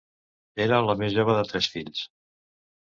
Era la més jove de tres fills.